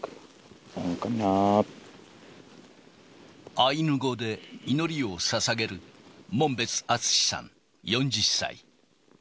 アイヌ語で祈りをささげる門別徳司さん４０歳。